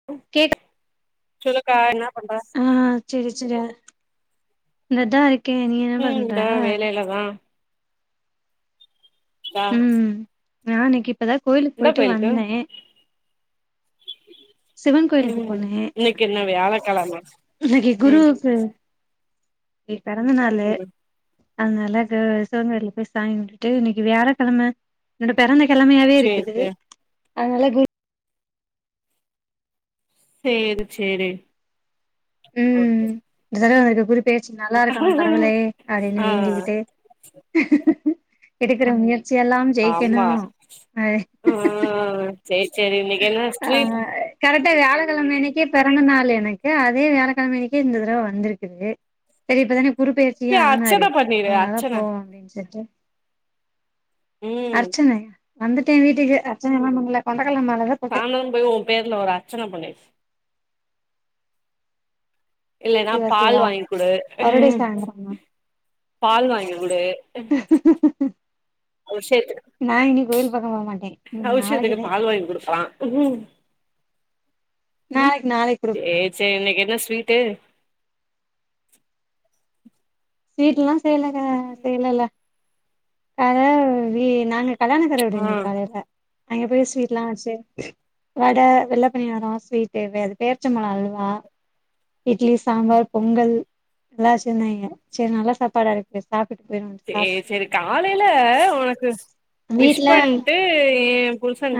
ம் கேட்டா சொல்லுக்கா என்னா பண்ற ஆ செரி செரி இந்ததா இருக்கே நீ என்ன பண்ற அதா தா ம் நா இன்னிக்கு இப்பதா கோயிலுக்கு போயிட்டு கோயிலுக்கு வந்தே சிவன் கோயிலுக்கு ம் போனே இன்னைக்கு என்ன வியாழக்கெழம இன்னிக்கு ம் குருக்கு கி பெறந்த நாளு ம் அதனால சி சிவ கோயில போய் சாமி கும்டுட்டு இன்னைக்கு வியாழக் கெழம என்னோட பெறந்த கிழமையாவே சேரி இருக்குது சேரி அதனால குரு சேரி செரி ம் இந்த தடவ எனக்கு குரு பெயர்ச்சி நல்லா இருக்கணு கடவுளே அப்டின்னு ஆ வேண்டிக்கிட்டு எடுக்குற முயற்சி எல்லாம் ஜெயிக்கணு ஆமா அ ஆ சேரி செரி இன்னிக்கு என்ன ஸ்ட்ரீட் கரெக்டா வியழக்கெழம அன்னிக்கு பெறந்த நாள் எனக்கு அதே வியழக்கெழம அன்னக்கே இந்த தடவ வந்துருக்குது சரி இப்பதானே குரு பெயர்ச்சியு அர்ச்சன ஆனாரு பண்ணிரு அதனால்ல அர்ச்சன போவோ அப்டின்னு சொல்ட்டு ம் அர்ச்சனே வந்துட்டே வீட்டுக்கு அர்ச்சனைல்லா பண்ல கொண்டக்கடல மாதிரிதா சாய்ந்தரோ போய் ஒ பேருல ஒரு அர்ச்சன பண்ணி இல்லன்னா சிவா பால் சிவா வாங்கி குடு மறுபடியு சாய்ந்தரமா பால் வாங்கி குடு அபிஷேகத்துக்கு நா இனி கோயில் பக்க போ மாட்டே இனி நாளைக்குதா ஹ்ம் நாளைக்கு நாளை சேரி சே இன்னைக்கு என்ன ஸ்வீட்டு ஸ்வீட்ல்லா செய்யலங்க செய்யலல அ வீ நாங்க கல்யாணக்கார வீடு இன்னைக்கு ம் காலையில அங்க போய் ஸ்வீட்லா வச்சு வட வெள்ள பனியாரோ ஸ்வீட்டு வே அது பேர்ச்சம்பழொ அல்வா இட்லி சாம்பார் பொங்கல் எல்லாச் செஞ்சாங்க செரி நல்லா சாப்பாடா இருக்கு சாப்ட்டுட்டு போயிருவோ செ ஏ செரி காலைல உனக்கு விஷ் வீட்ல பண்ட்டு ஏ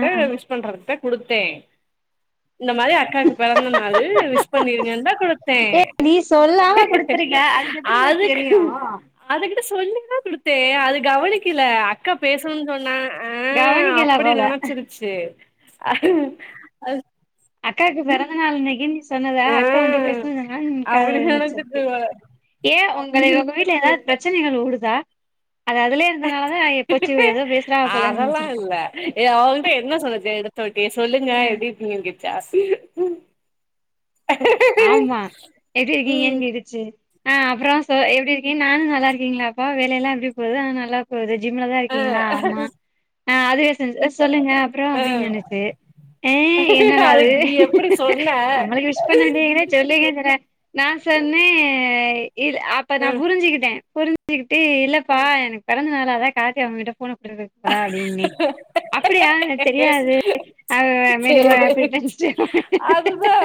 ஆ விஷ் பண்றதுக்குதா கொடுத்தே இந்த மாரி அக்காக்கு பெறந்த நாளு விஷ் பண்ணிருங்கன்னு தா குடு தே நீ சொல்லாம குடுத்துருக்க அதுக்கு எப்டில தெரியு அதுக்கு அதுகிட்ட சொல்லிதா குடுத்தே அது கவனிக்கல அக்கா பேசணு சொன்னா ஆ கவனிக்கல அப்டி போல நெனச்சிடுச்சு அது அக்காக்கு பெறந்த நாள் இன்னைக்கி நீ சொன்னத ஆ அக்கா வந்து பேச்னு சொன்னா காதுல அப்டி விழுந்திருச்சு அப்டி நெனச்சிட்டு ஏ உங்கள உங்க வீட்ல ஏதா பிரச்சனைகள் ஓடுதா அத அதுலேயே அதெல்லா நெனச்சிருக்கோ இல்ல இவ ஒகிட்ட என்ன சொல்லிசு இது ஓகே சொல்லுங்க ஆ எப்டி இருக்கிங்க கேட்சா ஆமா எப்டி ம் இருக்கீங்கன் கேட்டு செ ஆ அப்றோ சொ எப்டி இருக்கீங்க நானு நல்லா இருக்கீங்ளாப்பா வேல எல்லா எப்டி போது அ நல்லா ஓ இது ஜிம்ல தா அ இருக்கீங்களா ஆமா ஆ அதுவெ செஞ் அ சொல்லுங்க அப் அப்பறோ அ அப்டின்னு நெனச்சு ஏ என்னடா இது அதுக்கு நீ எப்டி சொன்ன நம்மளுக்கு விஷ் பன்ன [unintelligible] சொல்லுங்கங்குற நா சொன்னே இல் அப்ப நா ம் புரிஞ்சுகிட்டே புரிஞ் சிக்கிட்டு இல்லபா எனக்கு பெறந்தனாலு அதா கார்த்தி உங்ககிட்ட ஃபோன குடுதுது போல அப்டின்னே அப்டியா எனக்கு தெரியாது அ மெனி மோர் சேரி ஹேப்பி ரிட்டன் சிஸ்ட அதுதா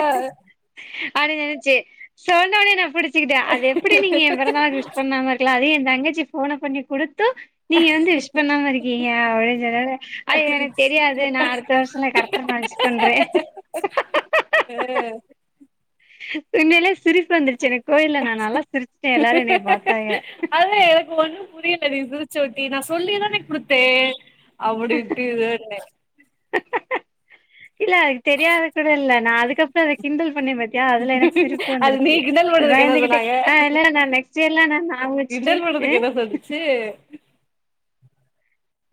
அப்டி சொல்வுசு சொன்னோனே நா புடிச்சுகிட்டே அது எப்டி நீங்க எ பெறந்தநாள்க்கு விஷ் பண்ணாம இரு கலாடி எ தங்கச்சி ஃபோன பண்ணி குடுத்து நீங்க வந்து விஷ் பண்ணாம இருக்கீங்க அப்டி சொன்னோனே ஐயோ எனக்கு தெரியாதே நா அடுத்த வருஷலா கரெக் ட்ர நா விஷ் பண்றே அ உன்மையிலே சிரிப்பு வந்துருச்சு எனக்கு கோயில்ல நா நல்லா சிரிச்ட்டே எல்லாரு என்னைய பாத்தாங்க அது எனக்கு ஒண்ணு புரியில நீங்க சிருச்சு ஓட்டி நா சொல்லிதானே குடுத்தே அப்டிஇப்டி இதன்னே இல்ல அதுக்கு தெரியாத கூட இல்ல நான் அதுக்கப்ற அத கிண்டல் பண்ணேன் மச் யா அதுல எனக்கு சிரிப்பு அது நீ வந்துருச்சி கிண்டல் பண்றதுக்கு என்ன பயந்துகிட்டே சொன்னாங்க ஆ இல்ல நான் நெக்ஸ்ட் இயர்லா நா நாமினேட் கிண்டல் பண்றதுக்கு என்ன சொல்லுச்சு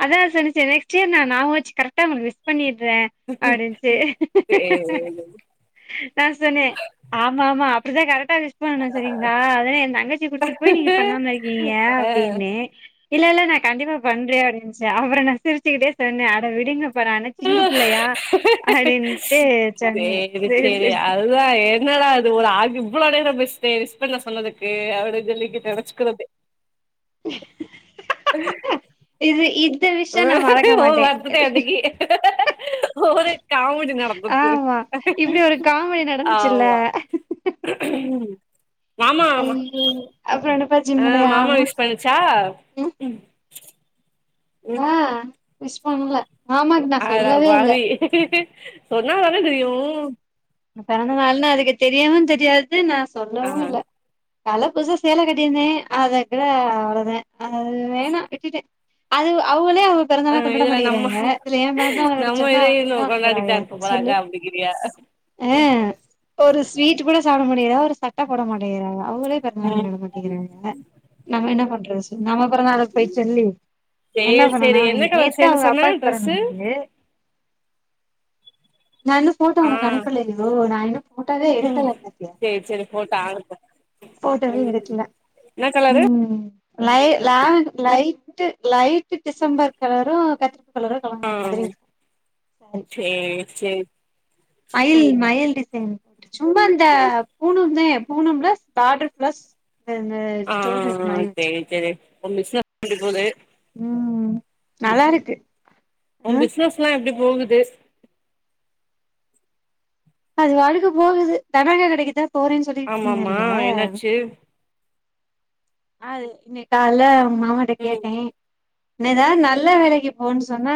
அதா சொன்னுச்சு நெக்ஸ்டியர் நா ஞாபம் வச்சு கரெக்டா உங்களுக்கு விஸ் பண்ணிட்றே அபடின்ச்சு ஏ நா சொன்னே ஆமாமா அப்டிதா கரெக்டா விஷ் பண்ணும் சரிங்ளா அதென் எந்தங்கச்சி குடுத்துட்டு போயி நீங்க பண்ணாம இருக்கீங்க ஆ அப்டின்னே இல்ல இல்ல நா கண்டிப்பா பண்றே அப்டின்ச்சு அப்ற நா சிரிச்சுடே சொன்னே அட விடுங்கப் இப்ப நா என்ன சின்ன பிள்ளையா அப்டின்ட்டு சொன்ன செரி செரி அதா என்னடா இது ஒரு ஆளு இவ்ளோ நேரம் பேசுதே விஷ் பண்ண சொன்னதுக்கு அப்டின் சொல்லி நெனச்சுகுட்ருந்தே [unintelligible] இது இந்த விஷயம் நா மறக்க மாட்டே ஒவ்வொரு காமடி நடந்தது ஆமா இப்டி ஒரு காமெடி நடந்துச்சுல்ல ஆமா ம் ஐயோ அப்ற என்ன பாத் ஆ மாமா விஸ் பண்ணுச்சா ம் ம் ஆ விஷ் பண்ல அட பாவி சொன்னா தான தெரியு பிறந்த நாள்னு அதுக்கு தெரியவு தெரியாது நா ஆ சொல்லவு இல்ல கால்ல புதுசா சேலை கட்டிருந்தே அதக்கூட அவ்ளதே அது வேணா விட்டுட்டே அது அவங்களே அவு ஆ பொறந்தநாள கொண்டாட இதுல நம்ம மாட்டிகிறாக இதுல ஏன் பிறந்த நாளை நம்ம சொன்னா அவங்க என்ன பண்ண போறாக சொல்லு இடியாஸ் அ ஒரு ஸ்வீட் கூட சாப்ட மாட்டகிராக ஒரு சட்டை போட மாட்டேகிறாக அவுகளே பிறந்தநாள் ம் கொண்டாட மாட்டு கிராக நம்ம என்ன பண்றது நம்ம பொறந்தளை போயி சொல்லி என்ன சேரி சேரி பண்ணனு என்ன கலர் நேத்தா சேல அவங்க சொன்ன அப்பாக்கு ட்ரெஸ்ஸு பிறந்தநாளு நனு ஆ யோ நா இன்னு போட்டாவே ம் எடுக்கல பாத்தியா சேரி சேரி போட்டோ அனுப்பு போட்டோவே ம் எடுக்ல என்ன கலரு ம் ம் light lavender light light December colour கத் கலரும் கலந்த மாதிரி இருக்கு சாரி சேர் சேரி மயில் மயில் டிசைன் சும்மா இந்த பூனந்தே பூனம்ல பாடர் பிளஸ் இந்த ஆ ஸ்டோன் இது மாரி செரி வச்சிருக்கு செரி உன் பிசினஸ் எப்டி போது ம் நல்லாருக்கு உன் பிசினஸ்லா எப்டி போகுது அது வாட்டுக்கு போகுது தனக்க கடைக்கு தா போறேன் சொல்லிகிட்டு ஆமாமா இருந்தேல என்னாச்சு அ இன்னைக்கு கால்ல உங்க மாமாட்ட ம் கேட்டே என்னதா நல்ல வேலைக்கு போன்னு சொன்ன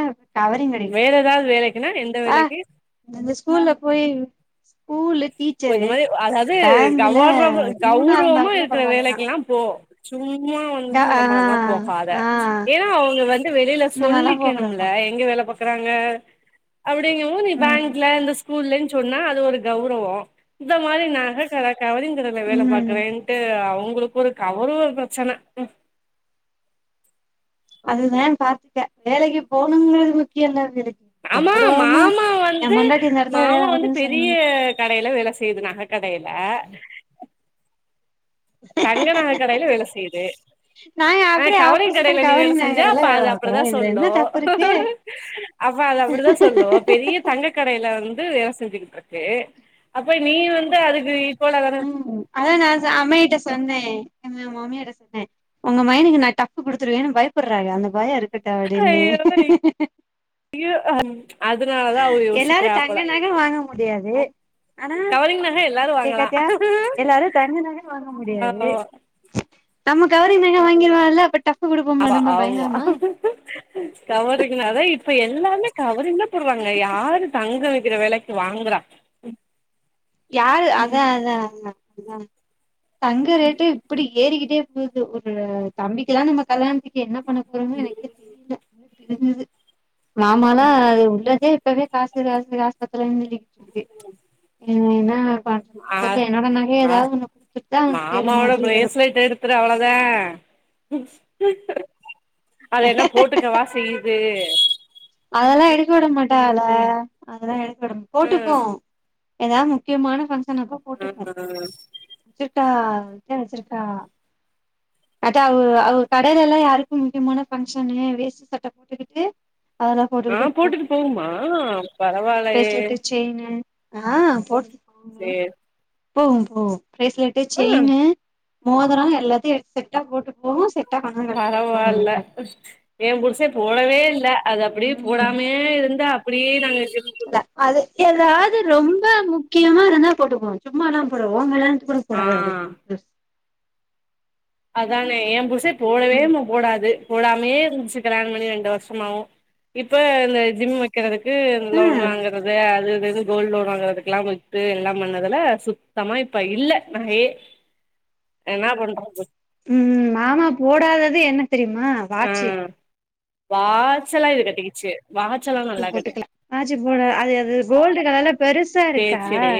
வேற எதாவது வேலைக்குன்னா எந்த வேலைக்கு அந்த ஸ்கூல்ல போய் ஸ்கூலு இந்த மாரி அதாது கௌவர பியூனா இருந்தா கௌருவமா கூட இருக்கிற பரவாயில்லையா வேலைக்கு எல்லா போ சும்மா வந்து ஆ இந்த மாதில்லா பாத ஆ ஏன்னா அவங்க வந்து வெளில இந்த மாரிலா போ சொல்லிக்கணும்ல கூடாதா எங்க வேல பாக்குறாங்க அப்படிங் போது நீ ம் பேங்க்ல இந்த ஸ்கூல்லன் சொன்னா அது ஒரு கௌரவோ இந்த மாரி நகக்கட கவிரிங் கடைல வேல ம் பாக்குறேன்ட்டு அவங்களுக்கு ஒரு கவருவ பிரச்சன அதுதா பாத்துக்க வேலைக்கு போணுங்கறது முக்கிய இல்ல அவியலுக் ஆமா மாமா வந்து இந்த எடத்துல வேல மாமா வந்து பாக்குதுன்னு பெரிய சொன்னல்ல கடையில வேல செய்து நக கடையில தங்க நக கடையில வேல செய்யுது நாங்க ஆ அப்டியே கவரிங் ஆப்போசிட்டா கடையில நீ வேல கவரிங் செஞ்சா நகைகடைல அப்ப வேல அது பாக்குறோ அப்டிதா இதுல சொல்லு என்ன தப்பு இருக்கு அப்ப அது அப்டிதா சொல்லு பெரிய தங்க கடையில வந்து வேல செஞ்சுக்கிட்டு இருக்கு அப்ப நீ வந்து அதுக்கு இக்குவலா தான ம் அதா நா அம்மகிட்ட சொன்னே எ மாமியாட்ட சொன்னே உங்க மயனுக்கு நா டஃப்புக் குடுத்துருவேன்னு பயப்படுறாக அந்த பயோ இருக் இருக்கட்டு அப்டின்னு ஐயோ ஐயோ அதனாலதா அவ எல்லாரு யோசிக்கிறா போல தங்க நக வாங்க முடியாது ஆனா கவரிங் நக எல்லாரு கே வாங்கலா காத்தியா எல்லாரு தங்க நக வாங்க முடியாது ஆமா நம்ம கவரிங் நக வாங்கிறலால அப்ப டஃப்பு கொடுப்போம்ல நம்ம ஆமா பயங்கரமா கவரிங் நா தா இப்ப எல்லாமே கவரிங் தா போடுவாங்க யாரு தங்க விக்கிற விக்கிற வெலைக்கு வாங்குறா யாரு அதா அதா அதா அதா தங்க ரேட்டு இப்படி ஏறிக்கிட்டே போகுது ஒரு தம்பிக்கு எல்லா நம்ம கல்யாணத்துக்கு என்ன பண்ண போறமோ எனக்கே தெரில கிழிஞ்சிது மாமால உள்ளதே இப்பவே காசு காசு காசு பத்தலன் சொல்லிட்ருக்கு என்ன பண்றதுனு ஆ தெரில என்னோட நகைய ஆ ஏதாவது ஒன்ன கொடுத்துட்டு தா அவனுக்கு செய்ற மாரி வரு ப்பறோ அவ்ளோதா அத என்ன போட்டு கவா செய்யுது அதெல்லா எடுக்க விட மாட்டாகல அதெல்லா எடுக்க விட ம் போட்டுபோ ஏதாது முக்கியமான ஃபங்ஷன் அப்ப போட்டுக்வோ ம் திட்டா தெனிச்சிருக்கா அட்டா அவ கடைல எல்லா யாருக்கு முக்கியமான ஃபங்ஷனு வேஷ்டி சட்ட போட்டு கிட் ஆ போட்டுட்டு போகுமா பரவால்லையே பிரேஸ்லெட்டு செயினு அ போட் சேர் போவு போவு பிரேஸ்லெட்டு் செயினு மோதரொ எல்லாத்தையு எடுத்து செட்டா போட்டு போவு செட் பரவால்ல எ புருஷ போடவே இல்ல அது அப்டி ம் போடாமே இருந்து அப்டியே நாங்க கிஃப்ட் குடுத் அது ஏதாது ரொம்ப முக்கியமா இருந்தா போட்டுக்குவோ சும்மாலா போடுவோ உங்கல்யாணத் கூட போடாது அது ஆ ட்ரெஸ் அதானே எ புருச போடவேம் போடாது போடாமே இருந்துச்சு கல்யாண பண்ணி ரெண்டு வருஷமாவு இப்ப இந்த ஜிம் வக் கிறதுக்கு லோன் ம் வாங்க றது அது இது கோல்டு லோன் வாங்குறதுக்கெல்லா போட்டு எல்லா பண்ணதுல சுத்தமா இப்ப இல்ல நகையே என்னா பண்றது ம் மாமா போடாதது என்ன தெரியுமா வாச்சு வாச்செல்லா இது கட்டிகிச்சு வாச்சல்லா து போட்டுக்கலா வாச்சி போட அது அது கோல்டு கலர்ல பெருசா சேரி இருக்கா சேரி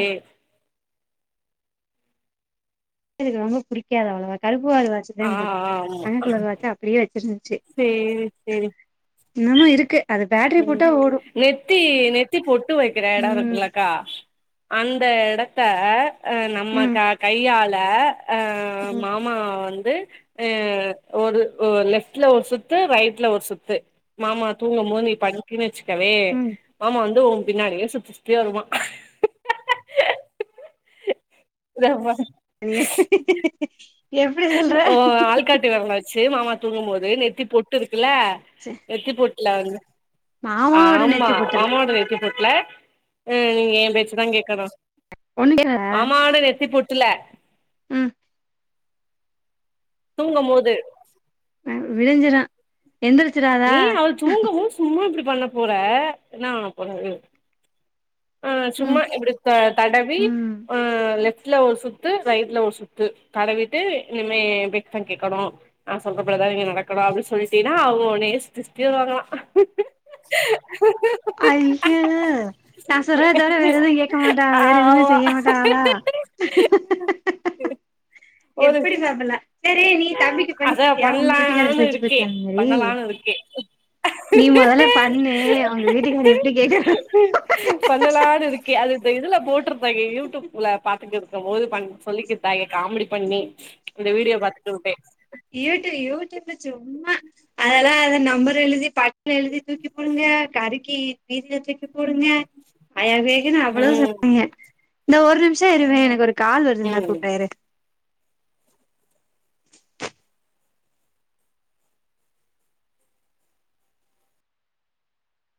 இதுக்கு ரொம்ப புடிக்காது அவ்ளவா கருப்புவார் வாச்சுதா ஆ போட் ஆ தங்க கலர் வாச்ச அப்டியே வச்சிருந்துச்சு சேர் செரி என்னமோ இருக்கு அது பேட்ரி ம் போட்டா ஓடு நெத்தி நெத்தி பொட்டு வைக்கற எடோ ம் இருக்குல்லக்கா அந்த எடத்த அ நம்ம ம் க கையால அ ம் மா மா வந்து அ ஒரு ஒ லெஃப்ட்ல ஒரு சுத்து ரைட்ல ஒரு சுத்து மாமா தூங்கமோ நீ பண்ட்டீன்னு வச்சுக்கவே ம் மாமா வந்து உ பின்னாடியே சுத்தி சுத்தி வருவா இதா என்னைய ஓ ஆள்காட்டு வெரல வச்சு மாமா தூங்கும் போது நெத்தி பொட்டு இருக்குல சே நெத்தி பொட்ல வந் ஆமா நெத்தி பொட்டுல மாமாவோட நெத்தி பொட் ல அ நீங்க எ பேச்சுதா கேக்கனு ஒண்ணு கே மாமாவோட நெத்தி பொட்டுல ம் தூங்கம் போது ம் விடிஞ்சிரு எந்திரிச்சிருவாரா நீ அவ தூங்கவு சும்மா இப்டி பண்ண போற என்னா பண்ண போறாரு ஆ ம் சும்மா இப்டி த தடவி ம் ஆ லெஃப்ட்ல ஒரு சுத் து ரைட்ல ஒரு சுத்து தடவிட்டு இனிமே எ பேச்தா கேக்கணு நா சொல்ற படிதா நீங்க நடக்கணு அப்டின்னு சொல்லிட்டீன்னா அவ்ங்க உன்னயே சுத்தி சுத்தி வருவாங்களா க்கு நா சொல்றத தவற வேற எதையு கேக்க மாட்டாக வேற எதுமே ஆமா செய்ய மாட்டாகளா ஒரு எப்புடி சாப்புலா சேரி நீ தம்பிக்கு பண்ணி அதா பாத்தியா உங்க வீட்டுக்காரருக்கு பண்லான்னு செஞ்சு இருக்கே பாத்தியா அந்த மாரி பண்ணலான்னு இருக்கே நீ மொதல்ல பண்ணு உங்க வீட்டுக்காரு எப்டி கேட்டா பண்ணலானு இருக்கே அது இந்த இதுல போட்டுருப்பாங்க யூ டூப்ல பா த்துட்ருக்கும் போது பண் சொல்லிக்கிட்டாய காமெடி பண்ணி இந்த வீடியோ பாத்துக்குட்டே யூடியூ யூடியூப்ல சும்மா அதெல்லா அத நம்பர் எழுதி பட்னு எழுதி தூக்கி போடுங்க கருக்கி வீட்லே தூக்கி போடுங்க அயா வேகுன்னு அவ்ளோ ம் சொன்னாங்க இந்தா ஒரு நிமிஷோ இருவே எனக்கு ஒரு கால் வருது‌ நா ம் கூப்ப இரு